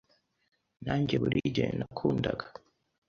Nanjye buri gihe nakundaga